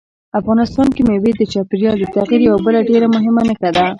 افغانستان کې مېوې د چاپېریال د تغیر یوه بله ډېره مهمه نښه ده.